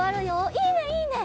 いいねいいね！